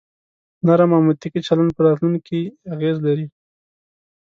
نرم او منطقي چلن په راتلونکي اغیز لري.